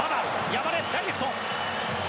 山根、ダイレクト。